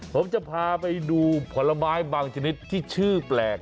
ผมจะพาไปดูผลไม้บางชนิดที่ชื่อแปลก